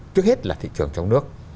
trước hết là thị trường trong nước